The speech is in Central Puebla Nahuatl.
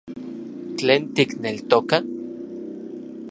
¿Tlen tikneltoka...?